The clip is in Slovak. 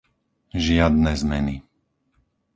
Žiadne zmeny